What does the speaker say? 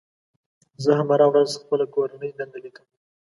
زه هم هره ورځ خپله کورنۍ دنده لیکم.